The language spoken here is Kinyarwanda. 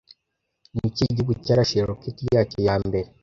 Ni ikihe gihugu cyarashe roketi yacyo ya mbere